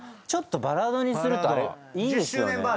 ちょっとバラードにするとあれいいんですよね。